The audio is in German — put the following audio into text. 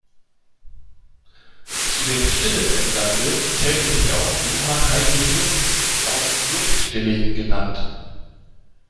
Zu den Stillen im Lande zählte sich auch Johann Heinrich Jung, auch Jung-Stilling genannt.